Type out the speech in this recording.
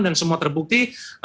dan semua terbukti